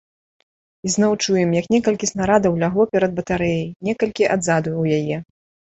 Ізноў чуем, як некалькі снарадаў лягло перад батарэяй, некалькі адзаду ў яе.